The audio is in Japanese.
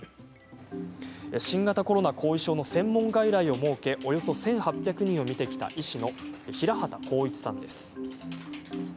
新型コロナ後遺症の専門外来を設けおよそ１８００人を診てきた医師の平畑光一さんです。